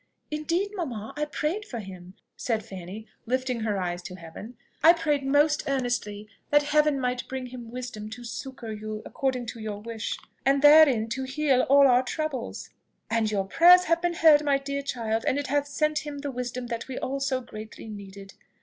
"Indeed, mamma, I prayed for him," said Fanny, lifting her eyes to Heaven; "I prayed most earnestly, that Heaven might bring him wisdom to succour you according to your wish, and therein to heal all our troubles." "And your prayers have been heard, my dear child; and it hath sent him the wisdom that we all so greatly needed.